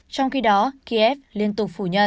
trong khi đó kiev liên tục phủ nhận